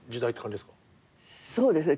そうですね。